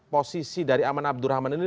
posisi dari aman abdurrahman ini